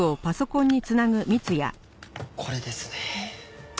これですね。